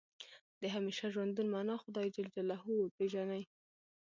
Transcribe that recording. د همیشه ژوندون معنا خدای جل جلاله وپېژني.